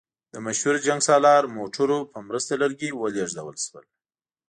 د مشهور جنګسالار موټرو په مرسته لرګي ولېږدول شول.